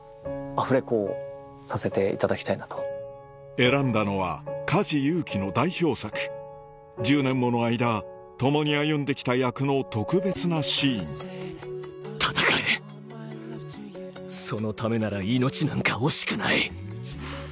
選んだのは梶裕貴の代表作１０年もの間共に歩んできた役の特別なシーン戦え‼そのためなら命なんか惜しくない！